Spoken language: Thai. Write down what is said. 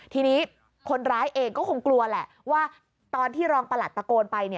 ทีนี้คนร้ายเองก็คงกลัวแหละว่าตอนที่รองประหลัดตะโกนไป